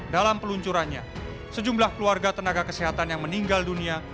dalam peluncurannya sejumlah keluarga tenaga kesehatan yang meninggal dunia